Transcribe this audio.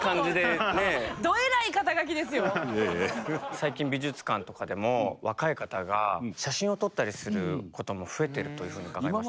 最近美術館とかでも若い方が写真を撮ったりすることも増えてるというふうに伺いました。